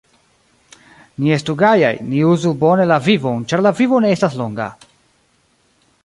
Ni estu gajaj, ni uzu bone la vivon, ĉar la vivo ne estas longa.